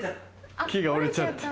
木が折れちゃった。